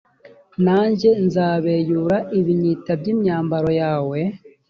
nanjye nzabeyura ibinyita by imyambaro yawe